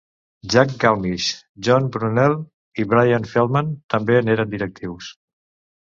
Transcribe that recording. Jack Galmiche, John Brunelle i Brian Feldman també n'eren directius.